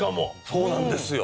そうなんですよ。